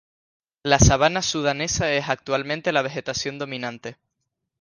La sabana sudanesa es actualmente la vegetación dominante.